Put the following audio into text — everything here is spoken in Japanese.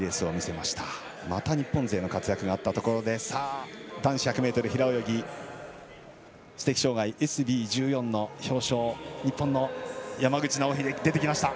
また日本勢の活躍があったところ男子１００ｍ平泳ぎ知的障がいＳＢ１４表彰、日本の山口尚秀が出てきました。